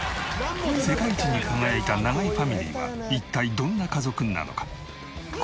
世界一に輝いた永井ファミリーは一体どんな家族なのか？